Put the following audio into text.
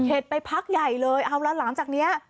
ไปพักใหญ่เลยเอาแล้วหลังจากนี้